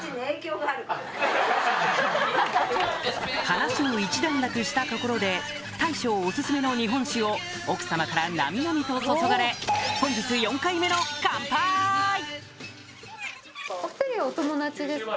話も一段落したところで大将お薦めの日本酒を奥様からなみなみと注がれ本日４回目のカンパイ！